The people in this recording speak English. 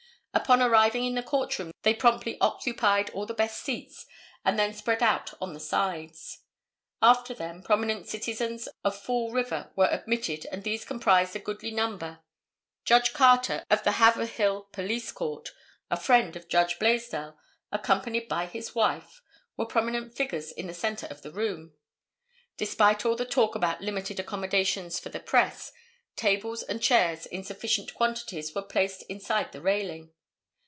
Upon arriving in the court room they promptly occupied all the best seats and then spread out on the sides. After them prominent citizens of Fall River were admitted and these comprised a goodly number. Judge Carter, of the Haverhill Police Court, a friend of Judge Blaisdell, accompanied by his wife, were prominent figures in the centre of the room. Despite all the talk about limited accommodations for the press, tables and chairs in sufficient quantities were placed inside the railing.